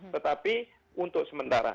tetapi untuk sementara